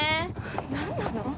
何なの？